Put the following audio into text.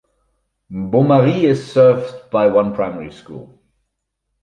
Beaumaris is served by one primary school.